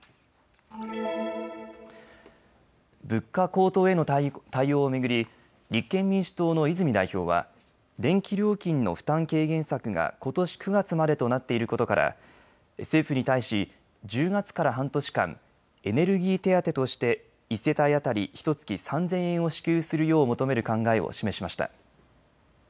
物価高騰への対応を巡り立憲民主党の泉代表は電気料金の負担軽減策がことし９月までとなっていることから政府に対し１０月から半年間エネルギー手当として１世帯当たりひとつき３０００円を支給するよう求める考えを示しました。